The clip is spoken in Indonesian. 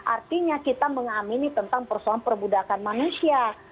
artinya kita mengamini tentang persoalan perbudakan manusia